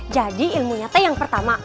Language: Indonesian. jadi ilmu nyata yang pertama